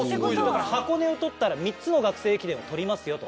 「箱根」を取ったら３つの学生駅伝を取りますよと。